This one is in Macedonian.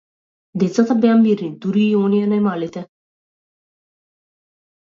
Децата беа мирни, дури и оние најмалите.